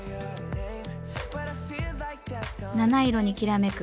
七色にきらめく